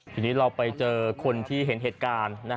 ทีนี้เราไปเจอคนที่เห็นเหตุการณ์